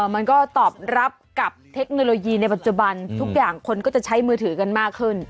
มันก็ตอบรับกับเทคโนโลยีในปัจจุบันทุกอย่างคนก็จะใช้มือถือกันมากขึ้น